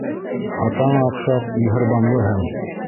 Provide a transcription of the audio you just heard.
Атаңа оҡшап миһырбанлыһың.